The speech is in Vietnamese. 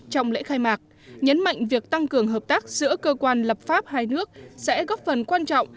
trong lễ khai mạc nhấn mạnh việc tăng cường hợp tác giữa cơ quan lập pháp hai nước sẽ góp phần quan trọng